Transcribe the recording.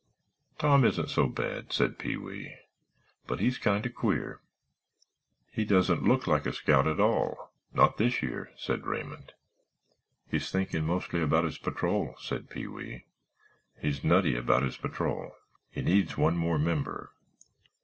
"Tom isn't so bad," said Pee wee, "but he's kind of queer." "He doesn't look like a scout at all—not this year," said Raymond. "He's thinking mostly about his patrol," said Pee wee, "he's nutty about his patrol. He needs one more member.